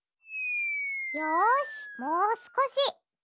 よしもうすこし。